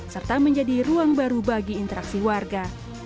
serta menjadi ruang baru bagi interaksi warga